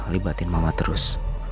libatin mama terus